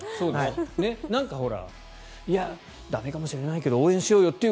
なんかいや、駄目かもしれないけど応援しようよという